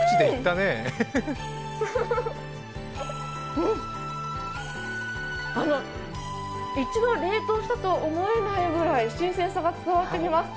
うん、一度冷凍したと思えないくらい新鮮さが伝わってきます。